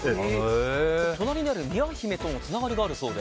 隣にある美和姫ともつながりがあるそうで。